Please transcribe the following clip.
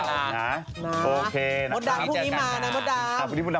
มันก็คือใส่ผงชูรสน่ะแหละ